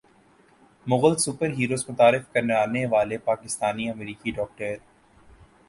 Mughal super heroes متعارف کرانے والے پاکستانی امریکی ڈاکٹر